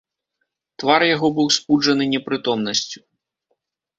Твар яго быў спуджаны непрытомнасцю.